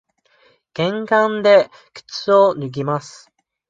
玄関で靴を脱ぎます。